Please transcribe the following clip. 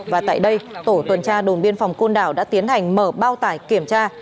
và tại đây tổ tuần tra đồn biên phòng côn đảo đã tiến hành mở bao tải kiểm tra